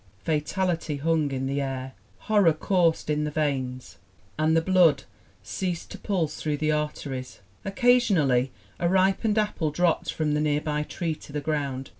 Fatality hung in the air. Horror coursed in the veins and the blood ceased to pulse through the arteries. Occasionally a ripened apple dropped from the nearby tree to the ground.